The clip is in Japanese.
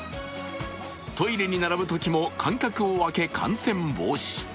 トイレに並ぶときも間隔をあけ感染防止。